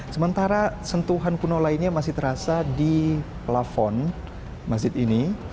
sementara sentuhan kuno lainnya masih terasa di plafon masjid ini